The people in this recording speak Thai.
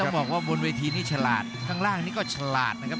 บอกว่าบนเวทีนี้ฉลาดข้างล่างนี้ก็ฉลาดนะครับ